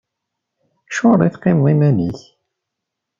Acuɣeṛ i teqqimeḍ iman-ik?